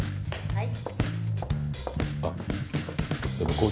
はい。